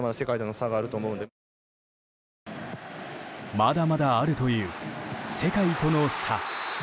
まだまだあるという世界との差。